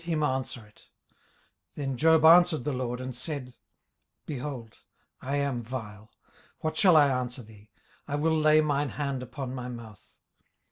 18:040:003 Then Job answered the LORD, and said, 18:040:004 Behold, I am vile; what shall I answer thee? I will lay mine hand upon my mouth.